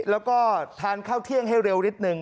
แล้วก็ทานข้าวเที่ยงให้เร็วนิดหนึ่ง